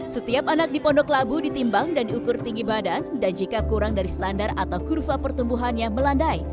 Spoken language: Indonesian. setiap anak di pondok labu ditimbang dan diukur tinggi badan dan jika kurang dari standar atau kurva pertumbuhannya melandai